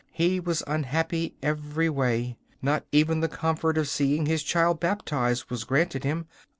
he was unhappy every way. Not even the comfort of seeing his child baptised was granted him.